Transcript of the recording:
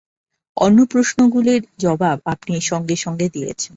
অন্য প্রশ্নগুলির জবাব আপনি সঙ্গে-সঙ্গে দিয়েছেন।